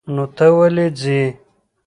نو ته ولې ځې؟